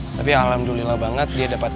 tapi alhamdulillah banget dia dapat